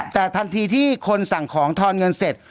แต่ทันทีที่คนสั่งของทอนเงินเสร็จ